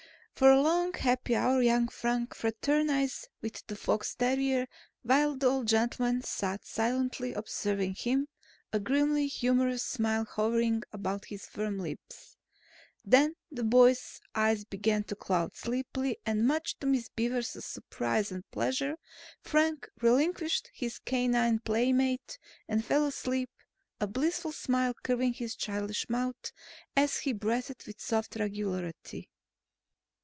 For a long happy hour young Frank fraternized with the fox terrier while the old gentleman sat silently observing him, a grimly humorous smile hovering about his firm lips. Then the boy's eyes began to cloud sleepily and much to Miss Beaver's surprise and pleasure Frank relinquished his canine playmate and fell asleep, a blissful smile curving his childish mouth as he breathed with soft regularity.